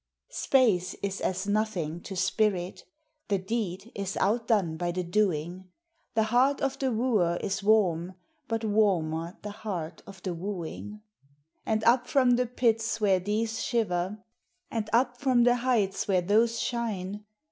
Space is as nothing to spirit, the deed is outdone by the doing ; The heart of the wooer is warm, but wanner the heart of the wooing ; And up from the pits where these shiver, and up from the heights where those shine.